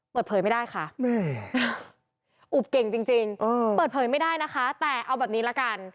เปิดเผยไม่ได้ค่ะอุบเก่งจริงเปิดเผยไม่ได้นะคะแต่เอาแบบนี้ละกัน